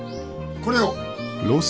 これを。